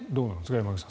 山口さん